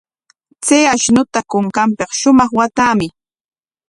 Chay ashnuta kunkanpik shumaq waatamuy.